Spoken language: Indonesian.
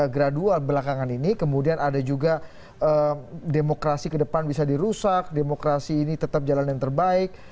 gradual belakangan ini kemudian ada juga demokrasi ke depan bisa dirusak demokrasi ini tetap jalan yang terbaik